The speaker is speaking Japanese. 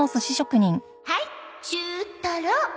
はい中トロ！